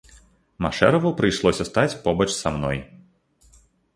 Машэраву прыйшлося стаць побач са мной.